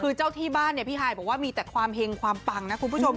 คือเจ้าที่บ้านเนี่ยพี่ฮายบอกว่ามีแต่ความเห็งความปังนะคุณผู้ชม